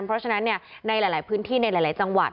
เพราะฉะนั้นในหลายพื้นที่ในหลายจังหวัด